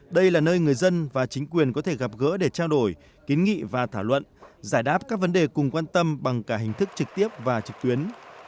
đây là nơi người dân và chính quyền có thể gặp gỡ để trao đổi kiến nghị và thảo luận giải đáp các vấn đề cùng quan tâm bằng cả hình thức trực tiếp và trực tuyến